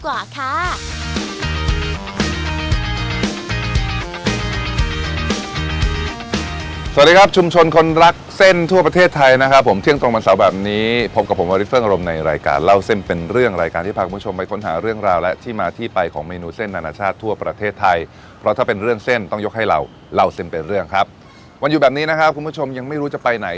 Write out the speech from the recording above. สวัสดีครับชุมชนคนรักเส้นทั่วประเทศไทยนะครับผมเที่ยงตรงวันเสาร์แบบนี้พบกับผมวาริสเฟิ่งอารมณ์ในรายการเล่าเส้นเป็นเรื่องรายการที่พาคุณผู้ชมไปค้นหาเรื่องราวและที่มาที่ไปของเมนูเส้นอนาชาติทั่วประเทศไทยเพราะถ้าเป็นเรื่องเส้นต้องยกให้เราเล่าเส้นเป็นเรื่องครับวันหยุดแบบนี้นะครับคุณผู้ชมยังไม่รู้จะไปไหน